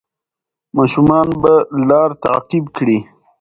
ماشومان به لار تعقیب کړي.